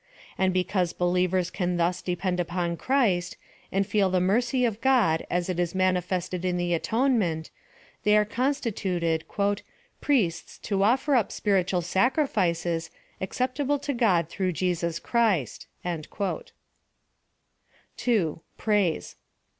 And because believers can thus depend U}>on Christ, and feel the mercy of God as it is manifested in the atonement, they are consti tuted " priests to offer up spiritual sacrifices, accept able to God through Jesus Christ." 2.— P RAISE.